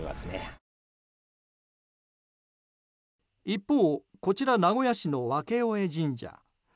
一方、こちら名古屋市の別小江神社。